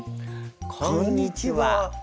こんにちは。